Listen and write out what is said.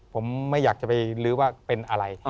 ผมไม่อยากจะไปลื้อว่าเป็นอะไร